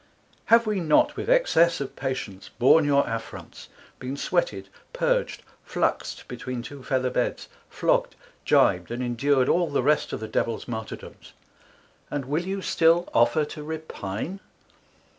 Have we not with excess of patience borne your Affronts, been Sweated, Purged, Fluxed between two Feather beds, Flog'd, Jib'd, and ┬Ā┬Ā┬Ā┬Ā┬Ā┬Ā 2 20 endured all the rest of the Devils Martyrdoms, and will you still offer to Repine?